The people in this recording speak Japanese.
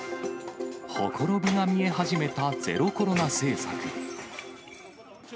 ほころびが見え始めたゼロコロナ政策。